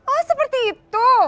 oh seperti itu